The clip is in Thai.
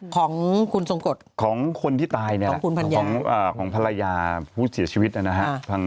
ของคุณทรงกฎของคนที่ตายเนี่ยของภรรยาผู้เสียชีวิตนะฮะ